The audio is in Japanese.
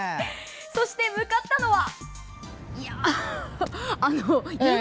そして、向かったのは。